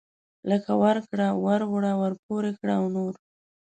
لکه ورکړه وروړه ورپورې کړه او نور.